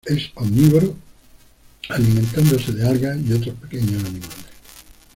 Es omnívoro, alimentándose de algas y otros pequeños animales.